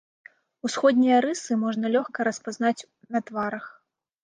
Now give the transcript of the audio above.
Усходнія рысы можна лёгка распазнаць на тварах.